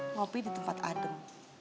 ngopi di tempat adem